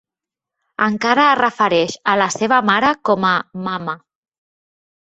Encara es refereix a la seva mare com a "mama".